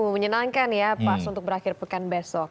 menyenangkan ya pas untuk berakhir pekan besok